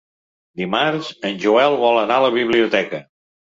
Dimarts en Joel vol anar a la biblioteca.